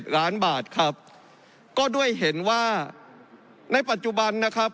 ล้านบาทครับก็ด้วยเห็นว่าในปัจจุบันนะครับ